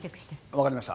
わかりました。